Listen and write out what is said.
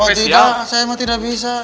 oh tidak saya emang tidak bisa